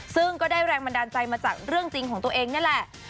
ซึ่งก็ได้แรงบันดาลใจมาจากเรื่องจริงของตัวเองนี่แหละ